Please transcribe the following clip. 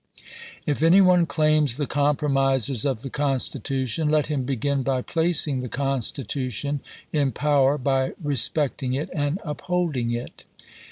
.. If any one claims the compromises of the Constitution, let New^ork him bcgiu by placing the Constitution in power by No^^Tl86l. respecting it and upholding it."